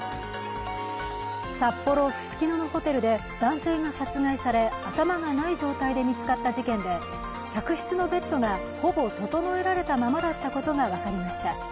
札幌・ススキノのホテルで男性が殺害され頭がない状態で見つかった事件で客室のベッドがほぼ整えられたままだったことが分かりました。